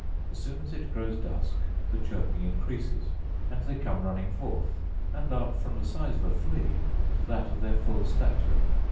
As soon as it grows dusk, the chirping increases, and they come running forth, and are from the size of a flea to that of their full stature.